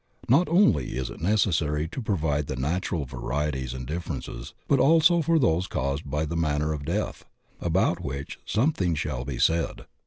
Not only is it necessary to provide for the natural varieties and differences, but also for those caused by the manner of death, about which something shall be said.